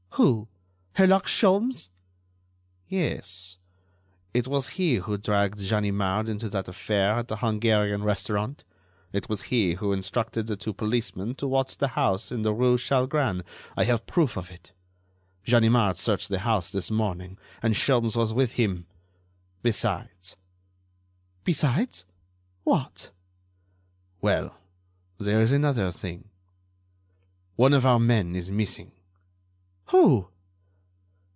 "Who? Herlock Sholmes?" "Yes; it was he who dragged Ganimard into that affair at the Hungarian restaurant. It was he who instructed the two policemen to watch the house in the rue Chalgrin. I have proof of it. Ganimard searched the house this morning and Sholmes was with him. Besides——" "Besides? What?" "Well, there is another thing. One of our men is missing." "Who?"